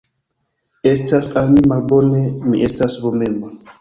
Estas al mi malbone, mi estas vomema.